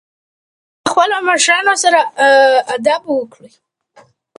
تاسو باید له خپلو مشرانو سره ادب وکړئ.